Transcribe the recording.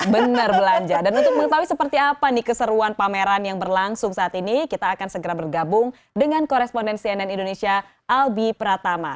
benar belanja dan untuk mengetahui seperti apa nih keseruan pameran yang berlangsung saat ini kita akan segera bergabung dengan koresponden cnn indonesia albi pratama